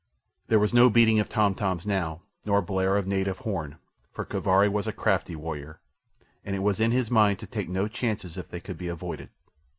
There was no beating of tom toms now, nor blare of native horn, for Kaviri was a crafty warrior, and it was in his mind to take no chances, if they could be avoided.